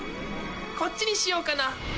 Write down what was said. こっちにしようかな？